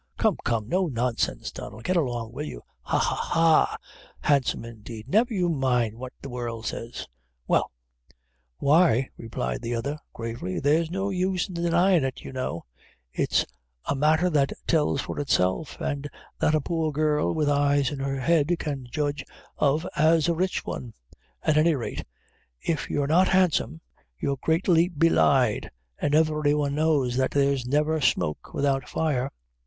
"Come, come, no nonsense, Donnel; get along, will you, ha! ha! ha! handsome indeed! Never you mind what the world says well!" "Why," replied the other, gravely, "there's no use in denyin' it, you know; it's a matther that tells for itself, an' that a poor girl with eyes in her head can judge of as a rich one at any rate, if you're not handsome, you're greatly belied; an' every one knows that there's never smoke without fire."